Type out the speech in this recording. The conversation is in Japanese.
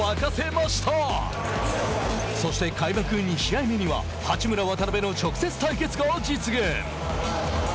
そして、開幕２試合目にはそして、開幕２試合目には八村、渡邊の直接対決が実現。